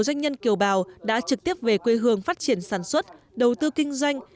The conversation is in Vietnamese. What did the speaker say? doanh nhân kiều bào đã trực tiếp về quê hương phát triển sản xuất đầu tư kinh doanh